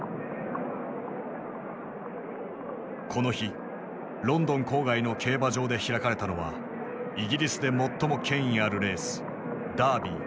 この日ロンドン郊外の競馬場で開かれたのはイギリスで最も権威あるレースダービー。